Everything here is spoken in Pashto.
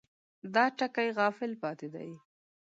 دې ټکي غافل پاتې دي.